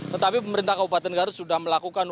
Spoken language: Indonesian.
tetapi pemerintah kabupaten garut sudah melakukan upaya untuk